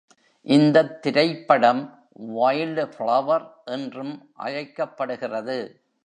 இந்தத் திரைப்படம் "wild flower" என்றும் அழைக்கப்படுகிறது.